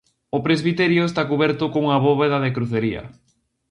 O presbiterio está cuberto cunha bóveda de crucería.